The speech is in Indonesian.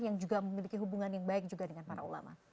yang juga memiliki hubungan yang baik juga dengan para ulama